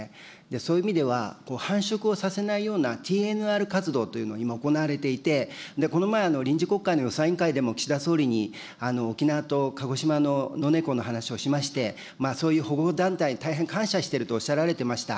そういう意味では、繁殖をさせないようなＴＮＲ活動というのが今行われていて、この前、臨時国会の予算委員会でも、岸田総理に沖縄と鹿児島の猫の話をしまして、そういう保護団体に大変感謝しているとおっしゃられていました。